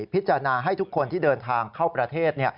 พิจารณาให้ทุกคนที่เดินทางเข้าประเทศ